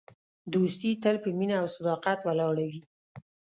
دوستي تل په مینه او صداقت ولاړه وي.